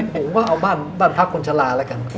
ผมก็เอาบ้านพระข้นชะลาแล้วกัน